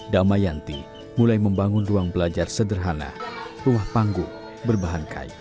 dharma yanti mulai membangun ruang belajar sederhana rumah panggung berbahan kai